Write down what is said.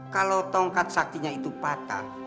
kalau tongkat saktinya itu patah